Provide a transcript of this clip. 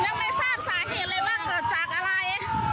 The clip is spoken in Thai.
แล้วไม่ทราบสาเหตุเลยว่าเกิดจากอะไร